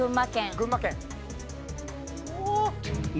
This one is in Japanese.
群馬県。